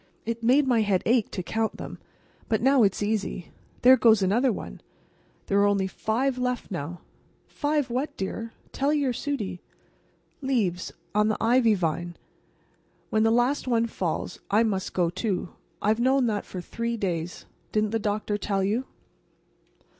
It made my head ache to count them. But now it's easy. There goes another one. There are only five left now." "Five what, dear. Tell your Sudie." "Leaves. On the ivy vine. When the last one falls I must go, too. I've known that for three days. Didn't the doctor tell you?"